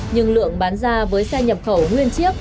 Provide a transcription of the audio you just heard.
nhưng lượng bán ra với xe nhập khẩu nguyên chiếc